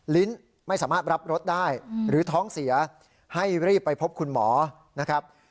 ลิ้นไม่สามารถรับรถได้หรือท้องเสียให้รีบไปพบคุณหมอนะครับ